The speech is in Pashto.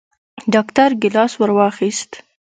ډاکتر ګېلاس ورواخيست.